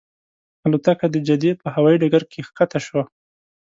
الوتکه د جدې په هوایي ډګر کې ښکته شوه.